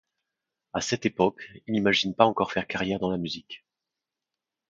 À cette époque, il n'imagine pas encore faire carrière dans la musique.